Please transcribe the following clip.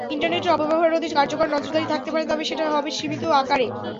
ইন্টারনেটের অপব্যবহার রোধে কার্যকর নজরদারি থাকতে পারে, তবে সেটা হবে সীমিত আকারে।